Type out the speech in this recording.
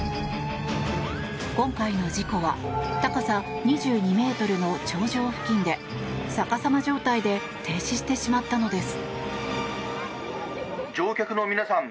今回の事故は高さ２２ｍの頂上付近で逆さま状態で停止してしまったのです。